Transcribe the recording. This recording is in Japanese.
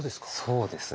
そうですね。